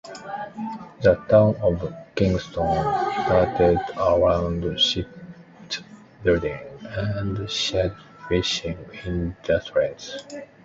The town of Kensington started around shipbuilding and Shad fishing industries.